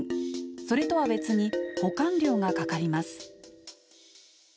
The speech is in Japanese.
それとは別に保管料がかかります。